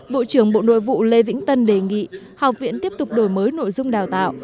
bộ trưởng bộ nội vụ lê vĩnh tân đề nghị học viện tiếp tục đổi mới nội dung đào tạo